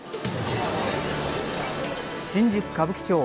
新宿・歌舞伎町。